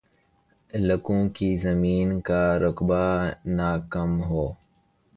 لکوں کی زمین کا رقبہ نہ کم ہو